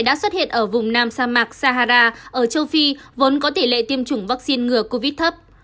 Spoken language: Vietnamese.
đã xuất hiện ở vùng nam sa mạc sahara ở châu phi vốn có tỷ lệ tiêm chủng vaccine ngừa covid thấp